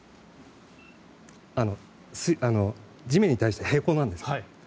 地面に対して平行なんですよ。